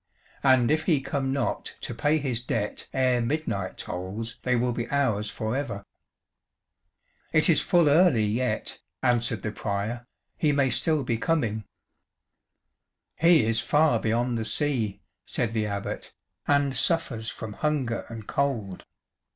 And if he come not to pay his debt ere midnight tolls they will be ours forever." "It is full early yet," answered the Prior, "he may still be coming." "He is far beyond the sea," said the Abbot, "and suffers from hunger and cold.